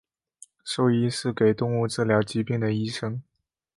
兽医是给动物治疗疾病的医生。